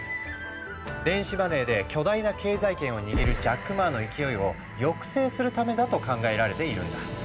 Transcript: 電子マネーで巨大な経済圏を握るジャック・マーの勢いを抑制するためだと考えられているんだ。